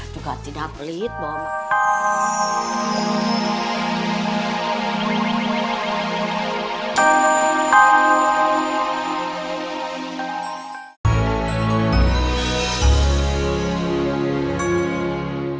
juga tidak pelit bom